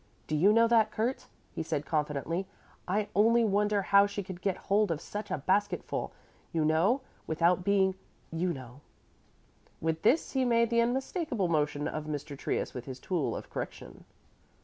Do you know that, Kurt," he said confidentially, "I only wonder how she could get hold of such a basket full, you know, without being you know " With this he made the unmistakable motion of Mr. Trius with his tool of correction.